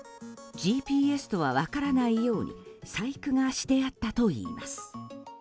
ＧＰＳとは分からないように細工がしてあったといいます。